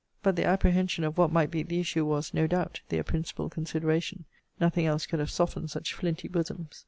But their apprehension of what might be the issue was, no doubt, their principal consideration: nothing else could have softened such flinty bosoms.